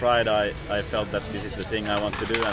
saya merasa ini adalah hal yang saya inginkan lakukan